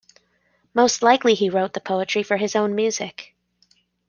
Most likely he wrote the poetry for his own music.